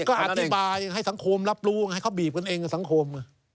ก็อธิบายให้สังคมรับรู้ให้เขาบีบกันเองกับสังคม